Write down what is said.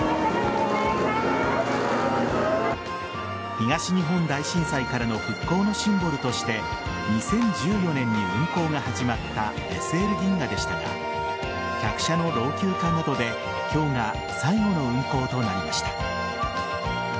東日本大震災からの復興のシンボルとして２０１４年に運行が始まったＳＬ銀河でしたが客車の老朽化などで今日が最後の運行となりました。